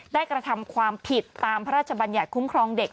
กระทำความผิดตามพระราชบัญญัติคุ้มครองเด็ก